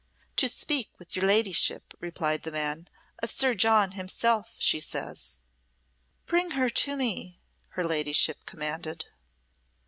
"To speak with your ladyship," replied the man, "of Sir John himself, she says." "Bring her to me," her ladyship commanded.